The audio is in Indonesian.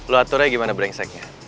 lo aturnya gimana brengseknya